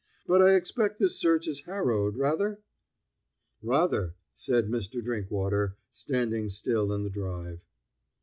"But I expect this search is harrowed, rather?" "Rather," said Mr. Drinkwater, standing still in the drive.